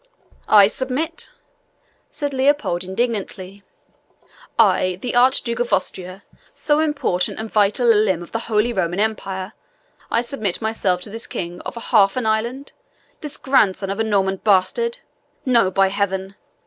"I submit!" said Leopold indignantly "I, the Archduke of Austria, so important and vital a limb of the Holy Roman Empire I submit myself to this king of half an island, this grandson of a Norman bastard! No, by Heaven!